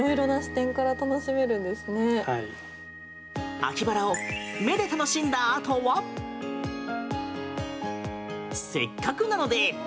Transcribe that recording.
秋バラを目で楽しんだあとはせっかくなので。